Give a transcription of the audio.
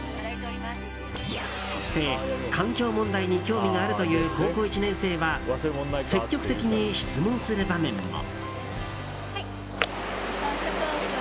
そして、環境問題に興味があるという高校１年生は積極的に質問する場面も。